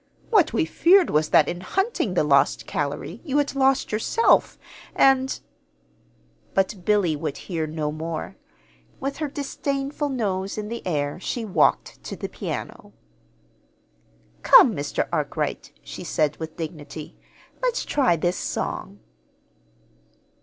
What we feared was, that, in hunting the lost calory, you had lost yourself, and " But Billy would hear no more. With her disdainful nose in the air she walked to the piano. "Come, Mr. Arkwright," she said with dignity. "Let's try this song."